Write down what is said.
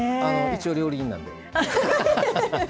一応料理人なんでね。